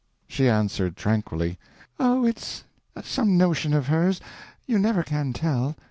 She answered, tranquilly: "Oh, it's some notion of hers, you never can tell.